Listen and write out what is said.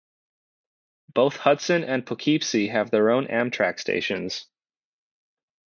Both Hudson and Poughkeepsie have their own Amtrak stations.